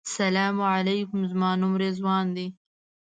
سلام علیکم زما نوم رضوان دی.